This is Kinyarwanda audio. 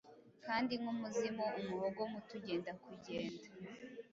Kandi, nkumuzimu, umuhogo muto ugenda Kugenda,